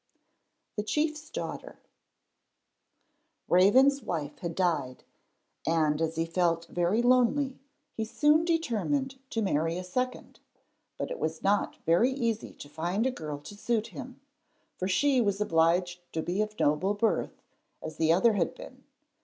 THE CHIEF'S DAUGHTER Raven's wife had died, and as he felt very lonely he soon determined to marry a second, but it was not very easy to find a girl to suit him, for she was obliged to be of noble birth as the other had been.